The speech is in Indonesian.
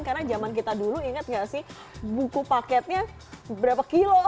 karena zaman kita dulu ingat gak sih buku paketnya berapa kilo